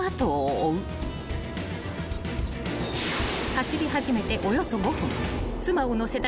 ［走り始めておよそ５分］